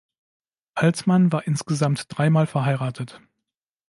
Altman war insgesamt drei Mal verheiratet.